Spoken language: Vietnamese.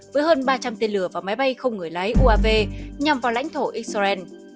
với hơn ba trăm linh tên lửa và máy bay không người lái uav nhằm vào lãnh thổ israel